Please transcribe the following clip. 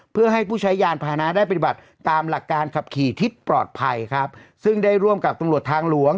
เพื่อให้ผู้ใช้ยานพานะได้ปฏิบัติตามหลักการขับขี่ที่ปลอดภัยครับซึ่งได้ร่วมกับตำรวจทางหลวง